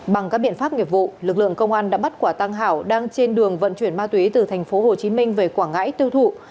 bằng các biện pháp nghiệp vụ lực lượng công an đã bắt quả tăng hảo đang trên đường vận chuyển ma túy từ tp hcm về quảng ngãi tiêu thụ